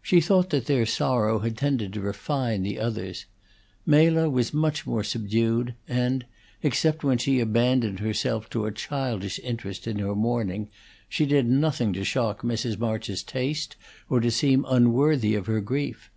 She thought that their sorrow had tended to refine the others. Mela was much more subdued, and, except when she abandoned herself to a childish interest in her mourning, she did nothing to shock Mrs. March's taste or to seem unworthy of her grief.